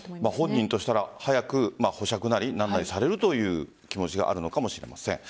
本人としたら、早く保釈なりなんなりされるという気持ちがあるのかもしれません。